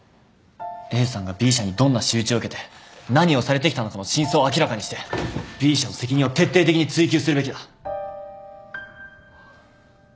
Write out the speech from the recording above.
ＡさんがＢ社にどんな仕打ちを受けて何をされてきたのかの真相を明らかにしてＢ社の責任を徹底的に追及するべきだ。